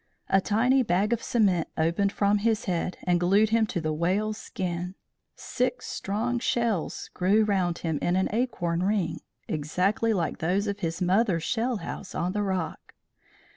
A tiny bag of cement opened from his head and glued him to the whale's skin. Six strong shells grew round him in an acorn ring, exactly like those of his mother's shell house on the rock.